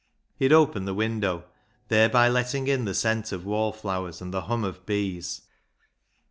He had opened the window, thereby letting in the scent of wall flowers and the hum of bees.